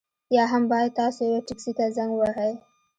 یا هم باید تاسو یوه ټکسي ته زنګ ووهئ